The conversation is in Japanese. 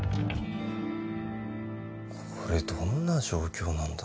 これどんな状況なんだ？